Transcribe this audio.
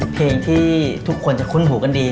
เพลงที่ทุกคนจะคุ้นหูกันดี